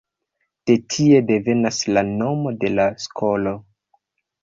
De tie devenas la nomo de la skolo.